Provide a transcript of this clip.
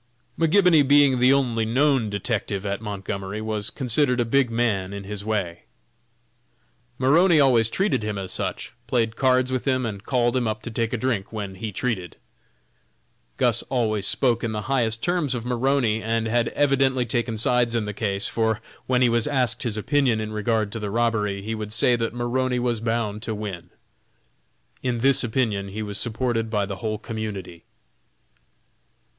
McGibony being the only known detective at Montgomery, was considered a big man in his way. Maroney always treated him as such, played cards with him and called him up to take a drink when he treated. Gus always spoke in the highest terms of Maroney, and had evidently taken sides in the case, for, when he was asked his opinion in regard to the robbery, he would say that Maroney was bound to win. In this opinion he was supported by the whole community.